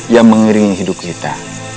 yang mengeringi hidup kita